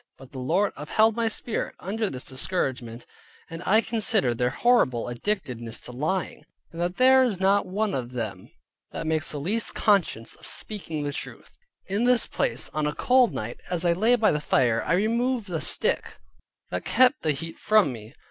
But the Lord upheld my Spirit, under this discouragement; and I considered their horrible addictedness to lying, and that there is not one of them that makes the least conscience of speaking of truth. In this place, on a cold night, as I lay by the fire, I removed a stick that kept the heat from me.